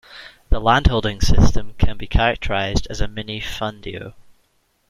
The landholding system can be characterized as minifundio.